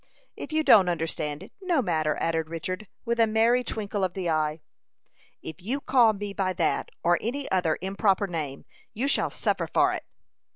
"If you don't understand it, no matter," added Richard, with a merry twinkle of the eye. "If you call me by that, or any other improper name, you shall suffer for it."